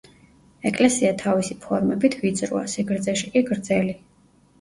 ეკლესია თავისი ფორმებით ვიწროა, სიგრძეში კი გრძელი.